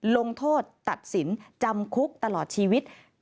ลงโทษตัดสินจำคุกตลอดชีวิต